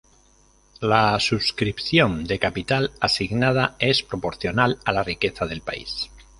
La suscripción de capital asignada es proporcional a la riqueza del país.